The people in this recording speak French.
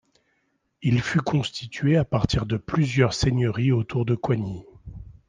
Il fut constitué à partir de plusieurs seigneuries autour de Coigny.